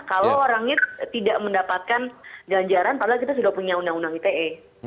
kalau orangnya tidak mendapatkan ganjaran padahal kita sudah punya undang undang ite